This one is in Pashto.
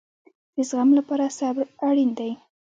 د زغم لپاره صبر اړین دی